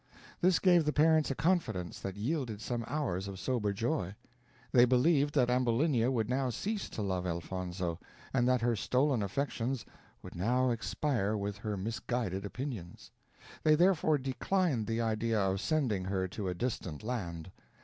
This gave the parents a confidence that yielded some hours of sober joy; they believed that Ambulinia would now cease to love Elfonzo, and that her stolen affections would now expire with her misguided opinions. They therefore declined the idea of sending her to a distant land.